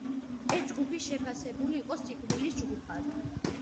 ეს ჯგუფი შეფასებული იყო „სიკვდილის ჯგუფად“.